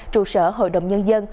trụ sở hội đồng nhân dân